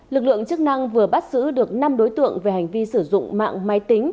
lực lượng chức năng vừa bắt giữ được năm đối tượng về hành vi sử dụng mạng máy tính